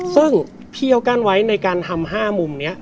ซึ่งพี่เขากั้นไว้ในการทำ๕มุมนี้